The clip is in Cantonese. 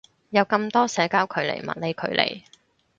有咁多社交距離物理距離